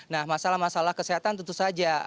nah masalah masalah kesehatan tentu saja